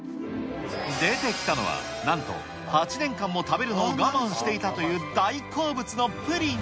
出てきたのは、なんと８年間も食べるのを我慢していたという大好物のプリン。